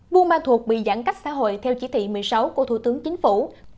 bumatut bị giãn cách xã hội theo chỉ thị một mươi sáu của thủ tướng chính phủ